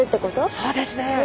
そうですね。